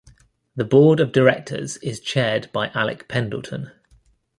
The Board of Directors is chaired by Alec Pendleton.